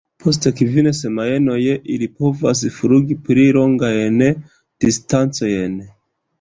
Post kvin semajnoj ili povas flugi pli longajn distancojn.